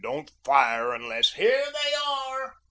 Don't fire unless " "Here they are."